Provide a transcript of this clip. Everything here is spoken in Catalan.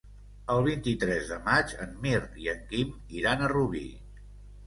El vint-i-tres de maig en Mirt i en Quim iran a Rubí.